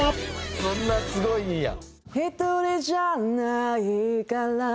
そんなすごいんや。